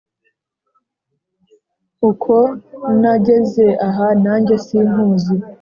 uko nageze aha nange sinkuzi